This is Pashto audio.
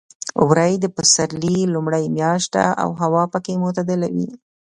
وری د پسرلي لومړۍ میاشت ده او هوا پکې معتدله وي.